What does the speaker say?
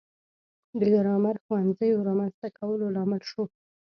د ګرامر ښوونځیو رامنځته کولو لامل شو.